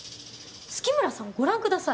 月村さんをご覧ください。